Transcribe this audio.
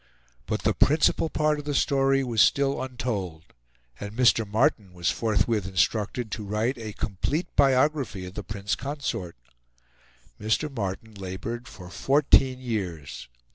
But the principal part of the story was still untold, and Mr. Martin was forthwith instructed to write a complete biography of the Prince Consort. Mr. Martin laboured for fourteen years.